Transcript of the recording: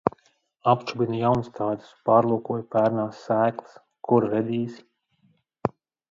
Apčubinu jaunstādus, pārlūkoju pērnās sēklas. Kur redīsi?